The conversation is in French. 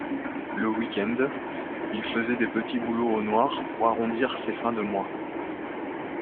Le week-end, il faisait des petits boulots au noir pour arrondir ses fins de mois